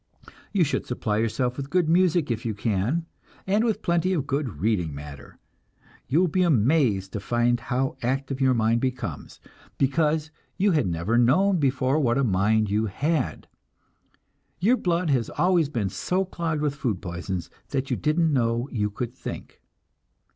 You should supply yourself with good music if you can, and with plenty of good reading matter. You will be amazed to find how active your mind becomes; perhaps you had never known before what a mind you had. Your blood has always been so clogged with food poisons that you didn't know you could think.